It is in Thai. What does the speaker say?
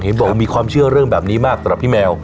เห็นบอกว่ามีความเชื่อเรื่องแบบนี้มากตรงพี่แมว